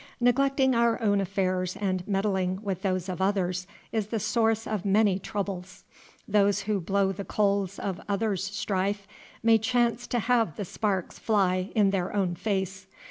Neglecting our own affairs and meddling with those of others is the source of many troubles. Those who blow the coals of others' strife may chance to have the sparks fly in their own face.